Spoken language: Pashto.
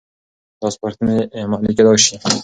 دا سپارښتنې عملي کېدای شي.